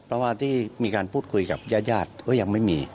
เพราะว่าที่มีการพูดคุยกับญาติก็ยังไม่มี